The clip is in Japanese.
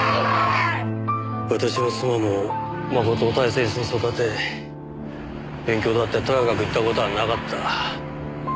私も妻も真人を大切に育て勉強だってとやかく言った事はなかった。